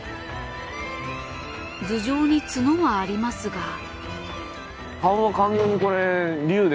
頭上にツノはありますが。